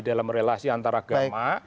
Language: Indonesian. dalam relasi antaragama